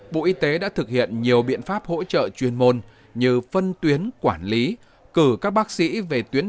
bộ y tế đã thực hiện nhiều biện pháp hỗ trợ chuyên môn như phân tuyến quản lý cử các bác sĩ về tuyến